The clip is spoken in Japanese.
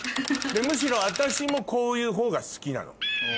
むしろ私もこういうほうが好きなの。